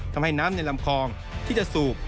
ทำให้น้ำในลำคลองที่จะสูบ